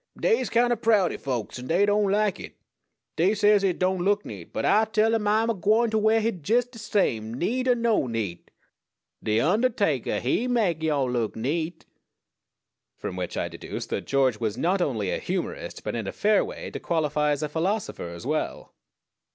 "Dey's kind o' proudy folks, an' dey don't like it. Dey says hit don't look neat; but Ah tell 'um Ah'm a gwine t' wear hit jes' de same, neat er no neat de undahtakah, he mek yo' look neat!" From which I deduced that George was not only a humorist, but in a fair way to qualify as a philosopher as well.